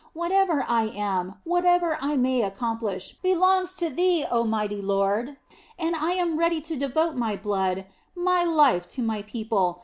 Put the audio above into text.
Whatever I am, whatever I may accomplish, belongs to Thee, Oh Mighty Lord, and I am ready to devote my blood, my life to my people.